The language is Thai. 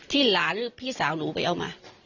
ที่หลานที่ผู้สามหนูไปเอามา